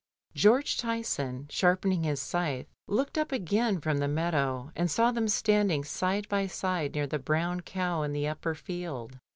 George Tyson, sharpening his sc3rthe, looked up again from the meadow, and saw them standing side by side near the brown cow in the upper field.